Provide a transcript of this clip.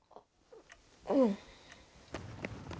うん。